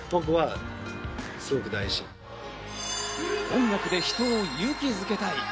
音楽で人を勇気づけたい。